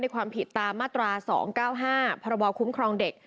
ความผิดตามมาตรา๒๙๕พรบคุ้มครองเด็ก